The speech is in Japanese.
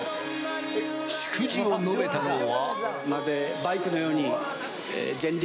祝辞を述べたのは。